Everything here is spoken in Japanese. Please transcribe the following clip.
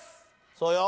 そうよ。